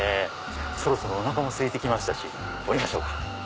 そろそろおなかもすいて来たし降りましょうか。